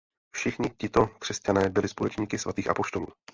Všichni tito křesťané byli společníky svatých apoštolů.